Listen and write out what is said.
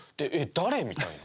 誰？みたいな。